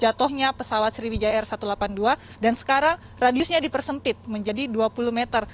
jatuhnya pesawat sriwijaya r satu ratus delapan puluh dua dan sekarang radiusnya dipersempit menjadi dua puluh meter